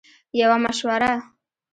- یوه مشوره 💡